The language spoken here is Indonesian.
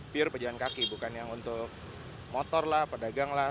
pure pejalan kaki bukan yang untuk motor lah pedagang lah